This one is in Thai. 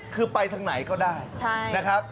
คือไปทางไหนก็ได้นะครับ